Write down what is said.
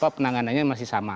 penanganannya masih sama